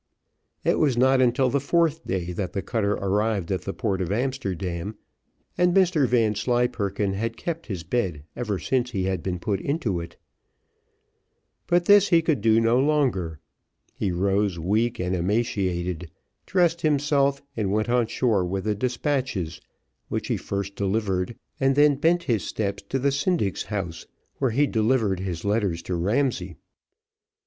It was not until the fourth day, that the cutter arrived at the port of Amsterdam, and Mr Vanslyperken had kept his bed ever since he had been put into it; but this he could do no longer, he rose weak and emaciated, dressed himself, and went on shore with the despatches which he first delivered, and then bent his steps to the syndic's house, where he delivered his letters to Ramsay.